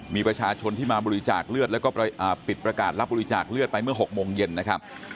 มีประชาชนที่มาบริจาคเลือดแล้วก็ปิดประกาศรับบริจาคเลือดไปเมื่อ๖โมงเย็นนะครับ